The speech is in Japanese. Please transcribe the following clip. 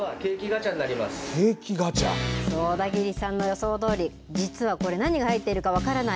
そう、小田切さんの予想どおり実はこれ何が入ってるか分からない。